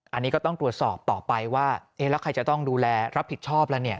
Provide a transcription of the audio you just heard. อันนี้ก็ต้องตรวจสอบต่อไปว่าเอ๊ะแล้วใครจะต้องดูแลรับผิดชอบแล้วเนี่ย